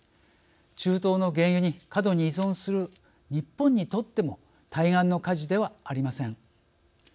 中東の原油に過度に依存する日本にとっても対岸の火事ではありません。